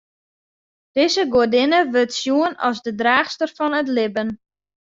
Dizze goadinne wurdt sjoen as de draachster fan it libben.